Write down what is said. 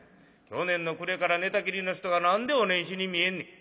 去年の暮れから寝たきりの人が何でお年始に見えんねん」。